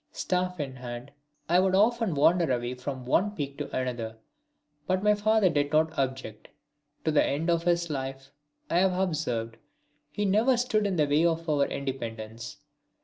Staff in hand I would often wander away from one peak to another, but my father did not object. To the end of his life, I have observed, he never stood in the way of our independence.